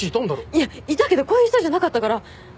いやいたけどこういう人じゃなかったから。